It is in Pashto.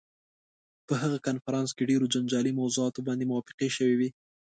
په هغه کنفرانس کې ډېرو جنجالي موضوعاتو باندې موافقې شوې وې.